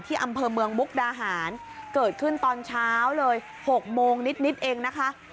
ที่อำเพิร์นเมืองมุกดาหารเกิดขึ้นตอนเช้าเลยหกโมงนิดนิดเองนะคะ